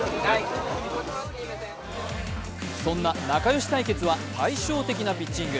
そんな仲良し対決は対照的なピッチング。